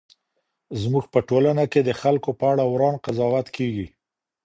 زموږ په ټولنه کي د خلګو په اړه وران قضاوت کېږي.